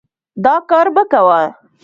دا کار مه کوه.